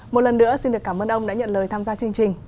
một lần nữa xin được cảm ơn ông đã nhận lời tham gia chương trình